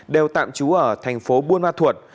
đều tạm trú ở thành phố buôn ma thuột